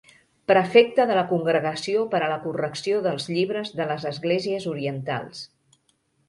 Prefecte de la Congregació per a la correcció dels llibres de les Esglésies Orientals.